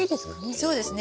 そうですね。